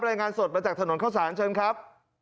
รายงานสดมาจากถนนเข้าสารเชิญครับ